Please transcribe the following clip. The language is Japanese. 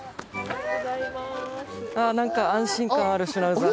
あっ何か安心感あるシュナウザー。